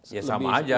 ya sama aja